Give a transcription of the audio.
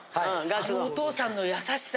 あのお父さんの優しさ。